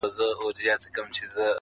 چي پښتو پالي په هر وخت کي پښتانه ملګري,